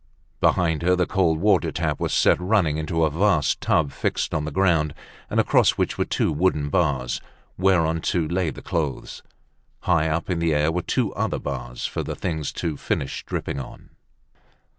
Behind her, the cold water tap was set running into a vast tub fixed to the ground, and across which were two wooden bars whereon to lay the clothes. High up in the air were two other bars for the things to finish dripping on.